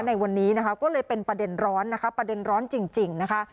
ในวันนี้นะคะก็เลยเป็นประเด็นร้อนนะคะประเด็นร้อนจริงนะคะ